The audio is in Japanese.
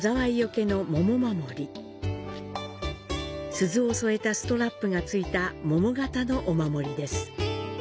鈴を添えたストラップが付いた桃型のお守りです。